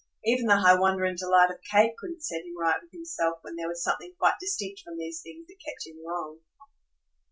Even the high wonder and delight of Kate couldn't set him right with himself when there was something quite distinct from these things that kept him wrong.